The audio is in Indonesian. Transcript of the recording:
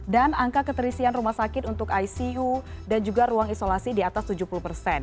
dan angka keterisian rumah sakit untuk icu dan juga ruang isolasi di atas tujuh puluh persen